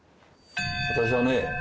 私はね